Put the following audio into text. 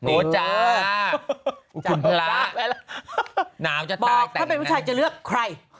โอ้จ้าคุณพระบอกถ้าเป็นวิทยาลัยจะเลือกใคร